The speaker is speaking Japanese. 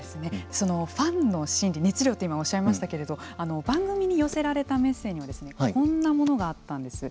そのファンの心理熱量って今、おっしゃいましたけれども番組に寄せられたメッセージにこんなものがあったんです。